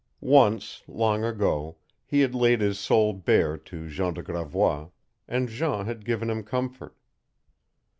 Once, long ago, he had laid his soul bare to Jean de Gravois, and Jean had given him comfort.